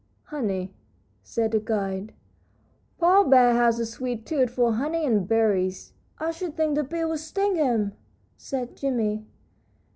"Honey," said the guide. "Paw Bear has a sweet tooth for honey and berries." "I should think the bees would sting him," said Jimmie.